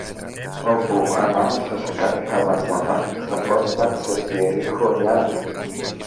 Όπου, ανάμεσα σε κάτι χαλάσματα, ξαπλώθηκαν σε σκιερή γωνιά